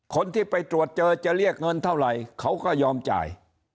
คนที่ไปตรวจเจอจะเรียกเงินเท่าไหร่เขาก็ยอมจ่าย